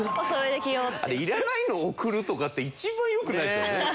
いらないの贈るとかって一番よくないですよね。